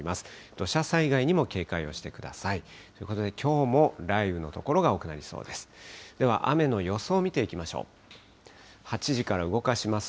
土砂災害にも警戒をしてください。ということで、きょうも雷雨の所が多くなりそうです。